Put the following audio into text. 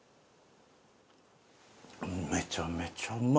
めちゃめちゃうまい！